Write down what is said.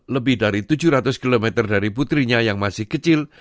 lebih dari tujuh ratus km dari putrinya yang masih kecil